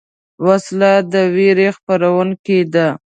وسله د ویرې خپرونکې ده